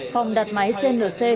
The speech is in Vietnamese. phòng đặt máy gen lc